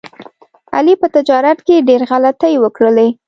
علي په تجارت کې ډېر غلطۍ وکړلې.